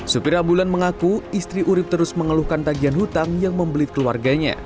supir ambulan mengaku istri urib terus mengeluhkan tagihan hutang yang membelit keluarganya